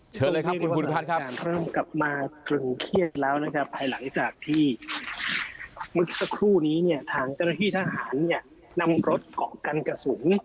เชิญเลยครับถูกฮัดครับ